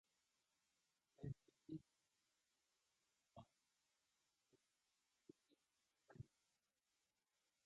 This parish was in the Eddisbury Hundred.